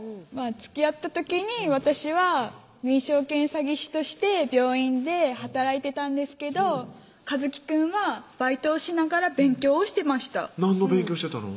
つきあった時に私は臨床検査技師として病院で働いてたんですけど一紀くんはバイトをしながら勉強をしてました何の勉強してたの？